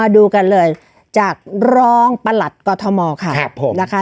ดูกันเลยจากรองประหลัดกรดฮ์ท้อมอล์ค่ะครับพ้อ